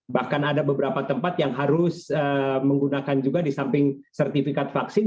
bahkan ada beberapa tempat yang harus menggunakan juga di samping sertifikat vaksin